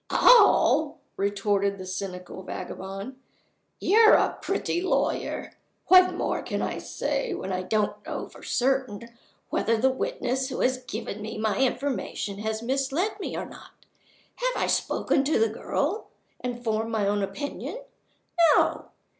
"All?" retorted the cynical vagabond. "You're a pretty lawyer! What more can I say, when I don't know for certain whether the witness who has given me my information has misled me or not? Have I spoken to the girl and formed my own opinion? No!